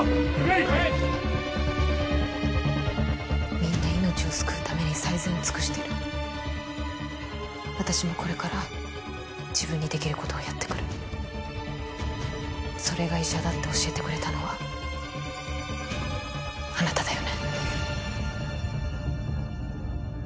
みんな命を救うために最善を尽くしてる私もこれから自分にできることをやってくるそれが医者だって教えてくれたのはあなただよね